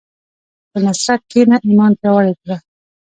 په نصرت کښېنه، ایمان پیاوړی کړه.